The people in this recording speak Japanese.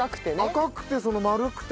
赤くて丸くて。